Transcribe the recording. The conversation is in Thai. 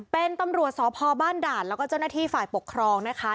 เป็นตำรวจสพบ้านด่านแล้วก็เจ้าหน้าที่ฝ่ายปกครองนะคะ